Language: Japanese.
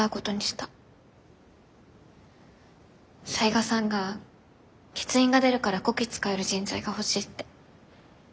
雑賀さんが欠員が出るからこき使える人材が欲しいって。